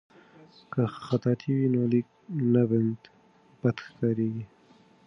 که خطاطي وي نو لیک نه بد ښکاریږي.